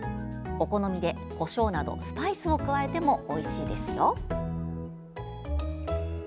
お好みで、こしょうなどスパイスを加えてもおいしいですよ。